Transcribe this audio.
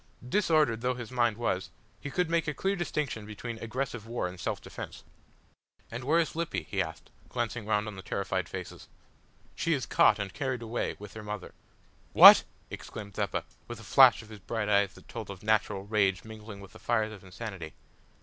Disordered though his mind was, he could make a clear distinction between aggressive war and self defence. "And where is Lippy?" he asked, glancing round on the terrified faces. "She is caught and carried away with her mother." "What!" exclaimed Zeppa, with a flash of his bright eyes that told of natural rage mingling with the fires of insanity.